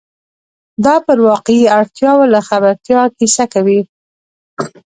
دا پر واقعي اړتیاوو له خبرتیا کیسه کوي.